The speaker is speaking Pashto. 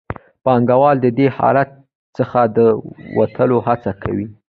پانګوال د دې حالت څخه د وتلو هڅه کوي